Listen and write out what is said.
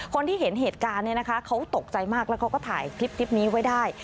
คนที่เห็นเหตุการณ์เนี่ยนะคะเขาตกใจมากแล้วเขาก็ถ่ายคลิปนี้ไว้ได้